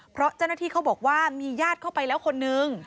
เพราะเจ้าหน้าที่เขาบอกว่ามีญาติเข้าไปแล้วคนนึง